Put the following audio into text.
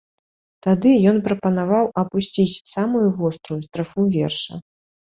Тады ён прапанаваў апусціць самую вострую страфу верша.